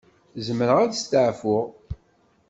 Zemreɣ ad steɛfuɣ?